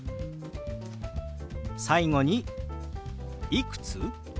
最後に「いくつ？」。